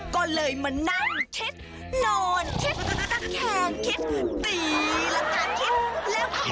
ก็เลยมานั่งคิดโน่นคิดตั้งแข่งคิดตีละกาลคิด